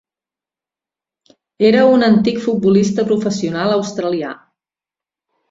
Era un antic futbolista professional australià.